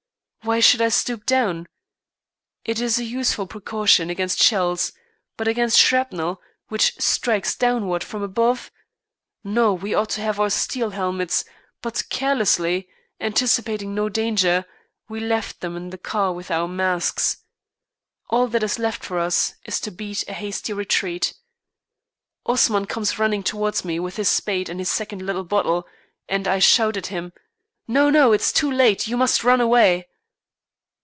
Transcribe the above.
Why should I stoop down? It is a useful precaution against shells. But against shrapnel, which strikes downwards from above? No, we ought to have our steel helmets, but carelessly, anticipating no danger, we left them in the car with our masks. All that is left for us is to beat a hasty retreat. Osman comes running towards me with his spade and his second little bottle, and I shout at him: "No, no, it is too late, you must run away."